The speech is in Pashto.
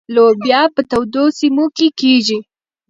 لوبیا په تودو سیمو کې کیږي.